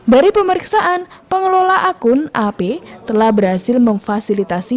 dari pemeriksaan pengelola akun ap telah berhasil memfasilitasi